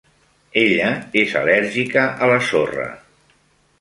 Ella és al·lèrgica a la sorra.